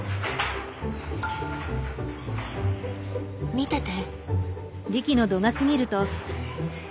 見てて。